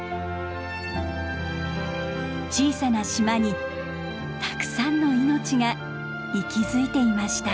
小さな島にたくさんの命が息づいていました。